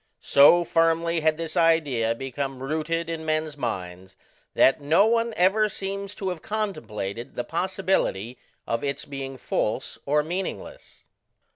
So firmly had this idea become rooted in men's minds, that no one ever seems to have contemplated the possibility of its being false or meaningless.